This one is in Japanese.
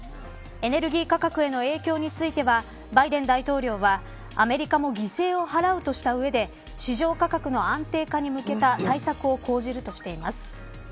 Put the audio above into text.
エネルギー価格への影響についてはバイデン大統領はアメリカも犠牲を払うとした上で市場価格の安定化に向けた対策を講じるとしています。